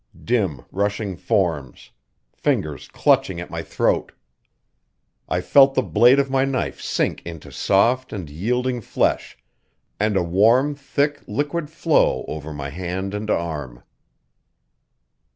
dim, rushing forms fingers clutching at my throat. I felt the blade of my knife sink into soft and yielding flesh, and a warm, thick liquid flow over my hand and arm.